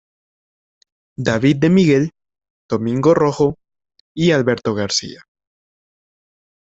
David de Miguel, Domingo Rojo y Alberto García.